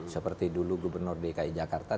seperti dulu gubernur dki jakarta